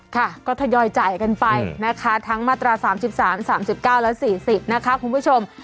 ค่ะก็ทยอยจ่ายกันไปนะคะทั้งมาตรา๓๓๙และ๔๐นะคะคุณผู้ชม